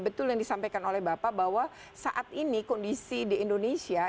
betul yang disampaikan oleh bapak bahwa saat ini kondisi di indonesia